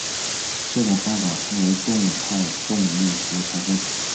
这种方法称为动态动力学拆分。